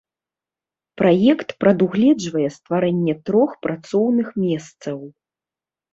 Праект прадугледжвае стварэнне трох працоўных месцаў.